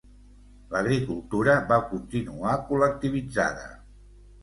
L'agricultura va continuar col·lectivitzada.